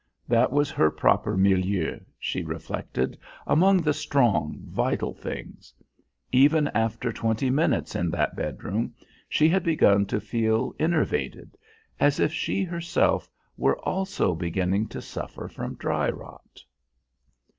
That was her proper milieu, she reflected, among the strong vital things. Even after twenty minutes in that bedroom she had begun to feel enervated, as if she herself were also beginning to suffer from dry rot....